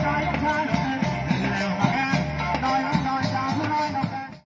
อาหารกลับมาเพื่อได้รันเท่านั้นที่สุด